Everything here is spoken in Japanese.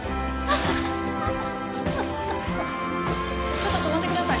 ちょっと止まってください。